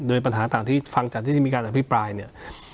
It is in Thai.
โดยปัญหาต่างที่ฟังจากที่ได้มีการอภิปรายเนี่ย